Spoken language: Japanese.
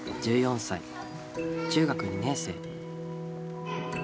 １４歳中学２年生。